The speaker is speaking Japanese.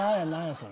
それ。